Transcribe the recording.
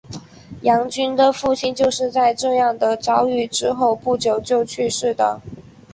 杨君的父亲就是在这样的遭遇之后不久就去世的。